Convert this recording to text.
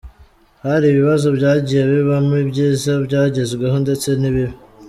Hari ibibazo byagiye bibamo, ibyiza byagezweho ndetse n’ibibi.